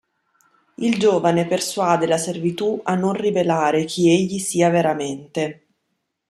Il giovane persuade la servitù a non rivelare chi egli sia veramente.